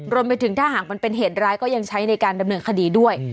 รวมไปถึงถ้าหากมันเป็นเหตุร้ายก็ยังใช้ในการดำเนินคดีด้วย